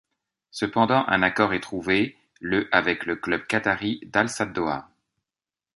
Cependant un accord est trouvé le avec le club qatari d'Al Sadd Doha.